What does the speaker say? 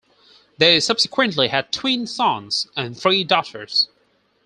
They subsequently had twin sons and three daughters.